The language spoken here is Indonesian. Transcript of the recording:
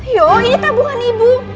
yo ini tabungan ibu